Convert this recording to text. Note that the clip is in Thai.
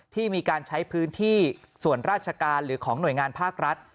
ที่มีการใช้พื้นที่ส่วนราชการหรือของหน่วยงานภาครัฐ